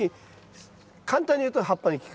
簡単に言うと葉っぱに効く。